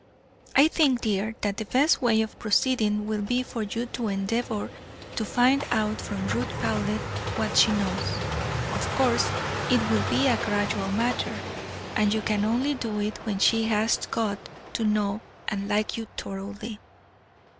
I think, dear, that the best way of proceeding will be for you to endeavour to find out from Ruth Powlett what she knows. Of course it will be a gradual matter, and you can only do it when she has got to know and like you thoroughly."